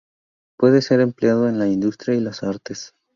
Puede ser empleado en la industria y las artes.